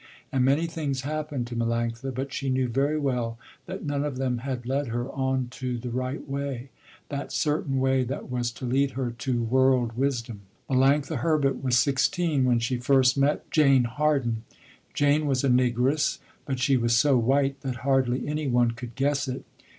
And many things happened to Melanctha, but she knew very well that none of them had led her on to the right way, that certain way that was to lead her to world wisdom. Melanctha Herbert was sixteen when she first met Jane Harden. Jane was a negress, but she was so white that hardly any one could guess it.